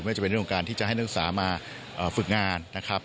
ไม่ว่าจะเป็นเรื่องของการที่จะให้นักศึกษามาฝึกงาน